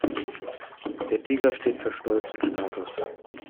Der Tiger steht für Stolz und Status.